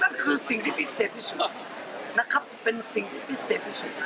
นั่นคือสิ่งที่พิเศษที่สุดนะครับเป็นสิ่งที่พิเศษที่สุด